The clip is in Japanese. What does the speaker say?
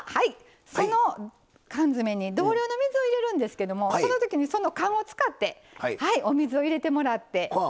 その缶詰に同量の水を入れるんですけどもそのときにその缶を使ってはいお水を入れてもらって。